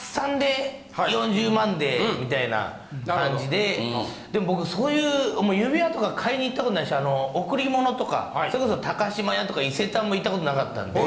でも僕そういう指輪とか買いに行ったことないしあの贈り物とかそれこそ島屋とか伊勢丹も行ったことなかったんで。